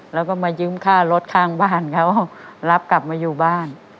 แล้วก็มายืมค่ารถข้างบ้านเขารับกลับมาอยู่บ้าน